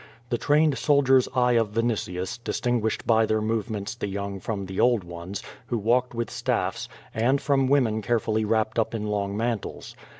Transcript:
The trained soldier^s eye of Vinitius, distinguished by their movements the young from the old ones, who walked ii ith staffs, and from women carefully wrapped up in long riantles.